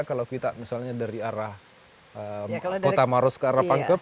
kalau kita misalnya dari arah kota maros ke arah pangkep